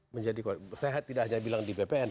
menjadi sehat tidak hanya bilang di bpn